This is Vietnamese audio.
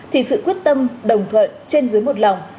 thì sự quyết tâm đồng thuận trên dưới một lòng